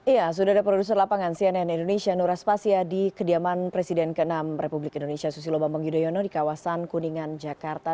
ya sudah ada produser lapangan cnn indonesia nur aspasya di kediaman presiden ke enam republik indonesia susilo bambang yudhoyono di kawasan kuningan jakarta